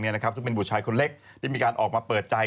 ซึ่งเป็นบุตรชายคนเล็กที่มีการออกมาเปิดใจ